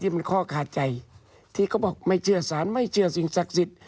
มันข้อขาดใจที่เขาบอกไม่เชื่อสารไม่เชื่อสิ่งศักดิ์สิทธิ์